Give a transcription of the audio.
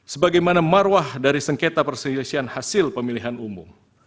sebagaimana marwah dari sengketa perselisihan hasil pemilihan umum